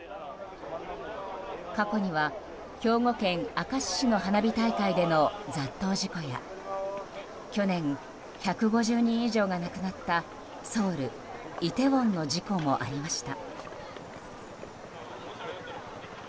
過去には兵庫県明石市の花火大会での雑踏事故や去年１５０人以上が亡くなったソウル・イテウォンの事故もありました。